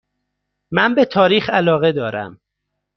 من به تاریخ علاقه دارم.